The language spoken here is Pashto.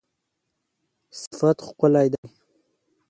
صفت ښکلی دی